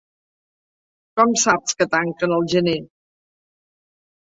Com saps que tanquen al gener?